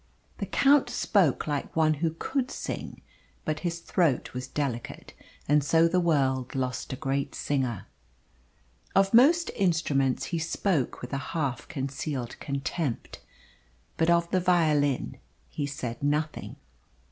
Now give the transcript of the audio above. The Count spoke like one who could sing, but his throat was delicate, and so the world lost a great singer. Of most instruments he spoke with a half concealed contempt. But of the violin he said nothing.